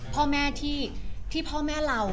พ่อแม่ที่พ่อแม่เรา